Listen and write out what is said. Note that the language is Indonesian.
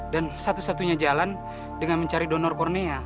dan satu satunya jalan dengan mencari donor kornea